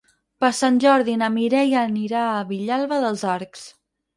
Per Sant Jordi na Mireia anirà a Vilalba dels Arcs.